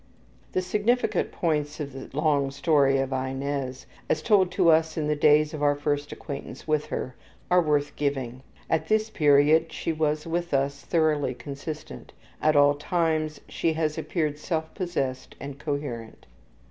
The significant points in the long story of Inez, as told to us in the days of our first acquaintance with her, are worth giving. (At this period she was with us thoroughly consistent; at all times she has appeared self possessed and coherent.)